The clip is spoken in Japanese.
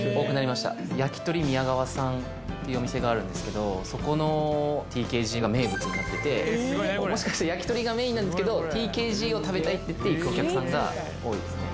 やきとり宮川さんっていうお店があるんですけどそこのＴＫＧが名物になっててもしかしたら焼き鳥がメインなんですけどＴＫＧを食べたいって言って行くお客さんが多いですね